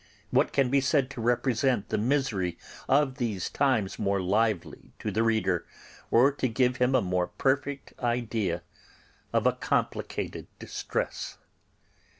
What can be said to represent the misery of these times more lively to the reader, or to give him a more perfect idea of a complicated distress?